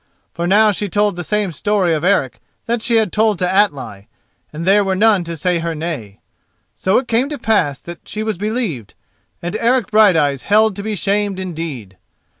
For now she told the same story of Eric that she had told to Atli, and there were none to say her nay. So it came to pass that she was believed, and Eric Brighteyes held to be shamed indeed.